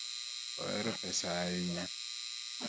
Ohero pesa ahinya